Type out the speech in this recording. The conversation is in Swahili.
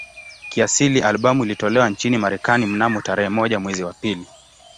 Kiasili albamu ilitolewa nchini Marekani mnamo tarehe moja mwezi wa pili